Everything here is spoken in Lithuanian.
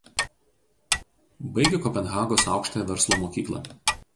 Baigė Kopenhagos aukštąją verslo mokyklą.